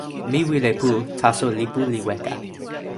mi wile pu, taso lipu li weka.